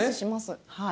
はい。